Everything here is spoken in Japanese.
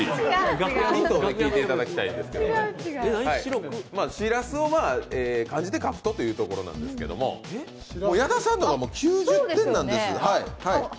ヒントを聞いていただきたいんですけど、しらすを漢字で書くとということなんですが、矢田さんが９０点なんですけど。